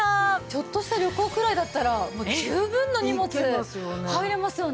ちょっとした旅行くらいだったらもう十分の荷物入りますよね。